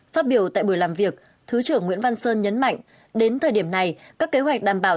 phát biểu tại buổi làm việc thứ trưởng nguyễn văn sơn nhấn mạnh đến thời điểm này các kế hoạch đảm bảo